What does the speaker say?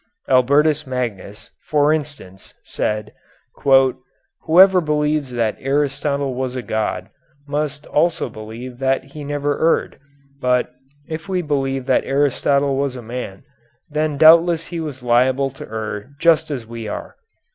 Albertus Magnus, for instance, said: "Whoever believes that Aristotle was a God must also believe that he never erred, but if we believe that Aristotle was a man, then doubtless he was liable to err just as we are."